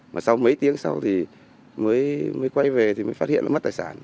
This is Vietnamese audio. mà sau mấy tiếng sau thì mới quay về thì mới phát hiện nó mất tài sản